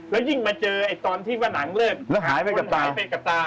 แล้วยิ่งมาเจอตอนที่ว่าหนังเริ่มหายไปกับตา